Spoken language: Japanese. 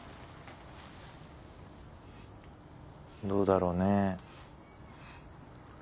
どうだろうね。